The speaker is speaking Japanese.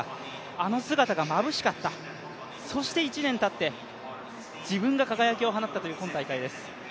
あの姿がまぶしかったそして１年たって自分が輝きを放ったという今大会です。